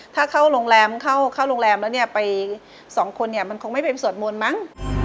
ถ้าเข้าโรงแรมแล้วไป๒คนมันคงไม่เป็นส่วนมนตร์มั้ง